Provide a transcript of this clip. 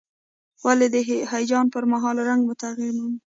ولې د هیجان پر مهال رنګ مو تغییر مومي؟